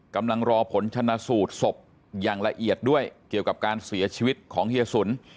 กำลังรอผลชนะสูตรศพอย่างละเอียดด้วยเกี่ยวกับการเสียชีวิตของเฮียสุน